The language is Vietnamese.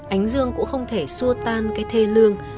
ánh dương cũng không thể xua tan cái thê lương